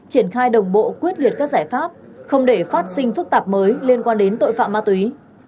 triển khai đồng bộ quyết liệt các giải pháp không để phát sinh phức tạp mới liên quan đến tội phạm ma túy